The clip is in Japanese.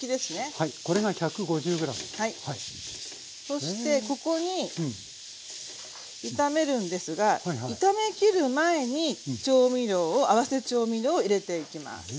そしてここに炒めるんですが炒めきる前に調味料を合わせ調味料を入れていきます。